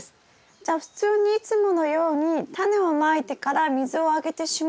じゃあ普通にいつものようにタネをまいてから水をあげてしまうと？